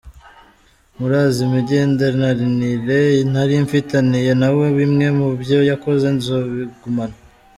Murazi imigenderanire nari mfitaniye na we, bimwe mu vyo yakoze nzobigumana.